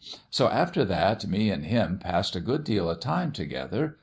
So after that me an' him passed a good deal o' time together.